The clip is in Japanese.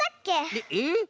えっえっ？